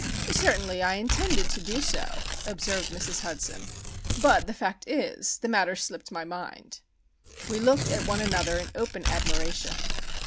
"Certainly, I intended to do so," observed Mrs. Hudson. "But the fact is, the matter slipped my mind." We looked at one another in open admiration.